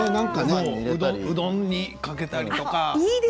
うどんにかけたりとか。